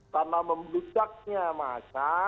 karena membutuhkannya masalah